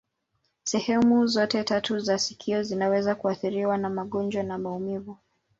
Sehemu zote tatu za sikio zinaweza kuathiriwa na magonjwa na maumivu.